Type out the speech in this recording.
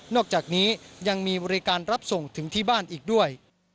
อกจากนี้ยังมีบริการรับส่งถึงที่บ้านอีกด้วย